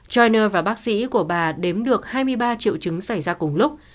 china và bác sĩ của bà đếm được hai mươi ba triệu chứng xảy ra cùng lúc